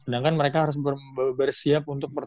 sedangkan mereka harus bersiap untuk